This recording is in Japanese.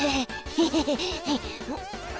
ヘヘヘヘ。